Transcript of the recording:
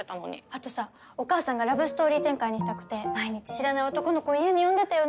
あとさお母さんがラブストーリー展開にしたくて毎日知らない男の子を家に呼んでたよね。